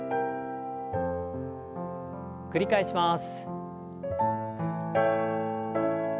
繰り返します。